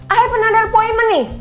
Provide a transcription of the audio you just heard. akhir penandar poemen nih